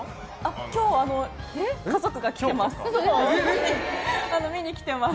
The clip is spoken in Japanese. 今日、家族が来てます。